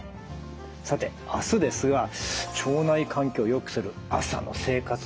さて明日ですが腸内環境をよくする朝の生活術をお伝えします。